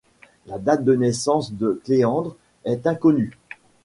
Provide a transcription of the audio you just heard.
La date de naissance de Cléandre est inconnue.